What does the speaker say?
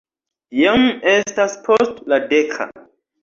Jam estas post la deka.